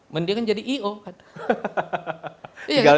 mendingan jadi i o kan